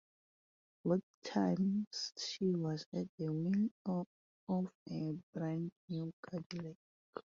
Both times she was at the wheel of a brand-new Cadillac.